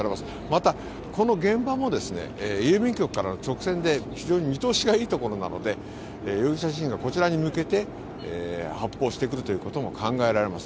また、この現場も郵便局から直線で非常に見通しがいいところなので容疑者自身がこちらに向けて発砲してくるということも考えられます。